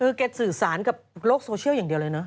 คือแกสื่อสารกับโลกโซเชียลอย่างเดียวเลยนะ